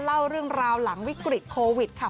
เล่าเรื่องราวหลังวิกฤตโควิดค่ะ